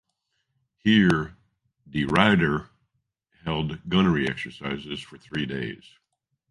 Here "De Ruyter" held gunnery exercises for three days.